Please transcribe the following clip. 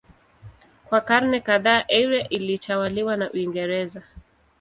Kwa karne kadhaa Eire ilitawaliwa na Uingereza.